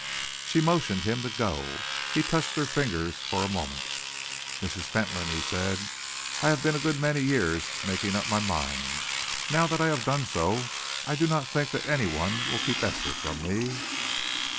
She motioned him to go. He touched her fingers for a moment. "Mrs. Fentolin," he said, "I have been a good many years making up my mind. Now that I have done so, I do not think that any one will keep Esther from me."